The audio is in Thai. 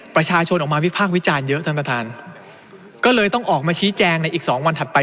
ประชาชนออกมาวิพากษ์วิจารณ์เยอะท่านประธานก็เลยต้องออกมาชี้แจงในอีกสองวันถัดไป